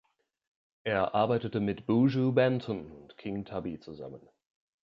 Er arbeitete mit Buju Banton und King Tubby zusammen.